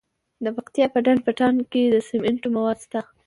د پکتیا په ډنډ پټان کې د سمنټو مواد شته.